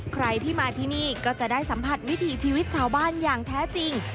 ใครที่มาที่นี่ก็จะได้สัมผัสวิถีชีวิตชาวบ้านอย่างแท้จริง